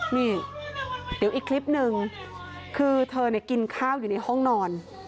นี่เดี๋ยวอีกคลิปหนึ่งคือเธอเนี่ยกินข้าวอยู่ในห้องนอน